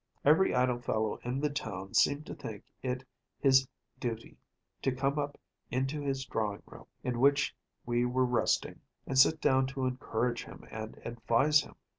Every idle fellow in the town seemed to think it his duty to come up into his drawing room, in which we were resting, and sit down to encourage him and advise him.